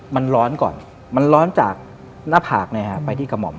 มันร้อนก่อนมันร้อนจากหน้าผากไปที่กระหม่อม